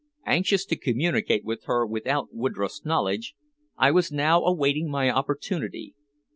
Anxious to communicate with her without Woodroffe's knowledge, I was now awaiting my opportunity.